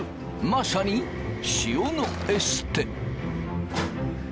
まさに塩のエステ。